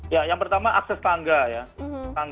ya yang pertama akses tangga ya